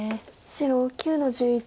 白９の十一。